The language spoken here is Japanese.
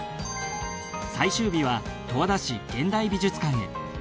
最終日は十和田市現代美術館へ。